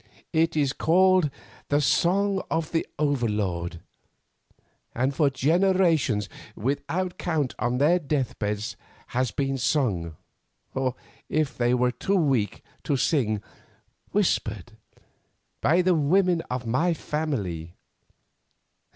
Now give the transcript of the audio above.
It is called the 'Song of the Overlord,' and for generations without count on their death beds has been sung, or if they were too weak to sing, whispered, by the women of my family.